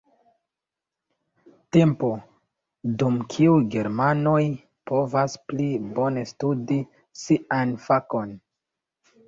Tempo, dum kiu germanoj povas pli bone studi sian fakon.